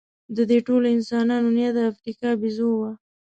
د دې ټولو انسانانو نیا د افریقا بیزو وه.